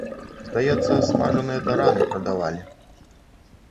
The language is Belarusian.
Здаецца, смажаныя тараны прадавалі.